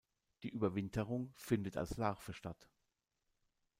Die Überwinterung findet als Larve statt.